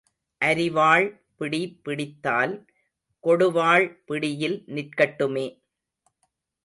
அரிவாள் பிடி பிடித்தால் கொடுவாள் பிடியில் நிற்கட்டுமே.